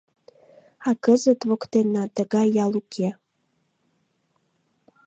А кызыт воктенна тыгай ял уке...